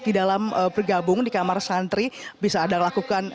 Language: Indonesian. di dalam bergabung di kamar santri bisa anda lakukan